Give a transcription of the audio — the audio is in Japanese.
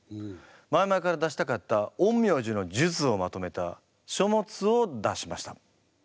前々から出したかった陰陽師の術をまとめた書物を出しました。